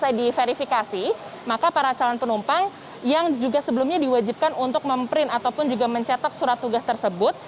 setelah diverifikasi maka para calon penumpang yang juga sebelumnya diwajibkan untuk memprint ataupun juga mencetak surat tugas tersebut